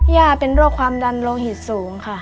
ย่าเป็นโรคความดันโลหิตสูงค่ะ